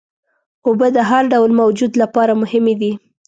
اوبه د هر ډول موجود لپاره مهمې دي.